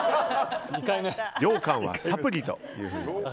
ようかんはサプリと。